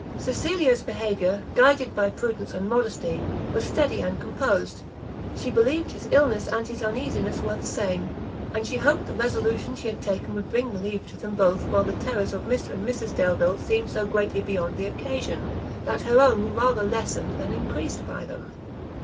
Cecilia's behaviour, guided by prudence and modesty, was steady and composed; she believed his illness and his uneasiness were the same, and she hoped the resolution she had taken would bring relief to them both while the terrors of Mr and Mrs Delvile seemed so greatly beyond the occasion, that her own were rather lessened than increased by them.